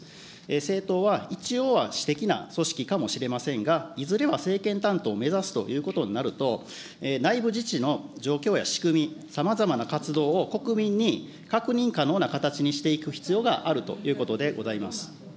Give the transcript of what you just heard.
政党は、一応は私的な組織かもしれませんが、いずれは政権担当を目指すということになると、内部自治の状況や仕組み、さまざまな活動を国民に確認可能な形にしていく必要があるということでございます。